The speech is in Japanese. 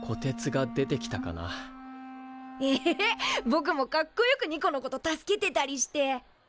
ぼくもかっこよくニコのこと助けてたりして。